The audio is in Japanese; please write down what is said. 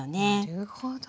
なるほど。